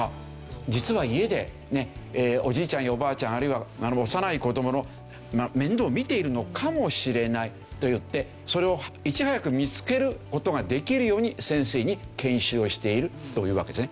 実は家でおじいちゃんやおばあちゃんあるいは幼い子どもの面倒を見ているのかもしれないといってそれをいち早く見つける事ができるように先生に研修をしているというわけですね。